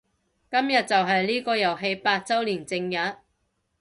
今日就係呢個遊戲八周年正日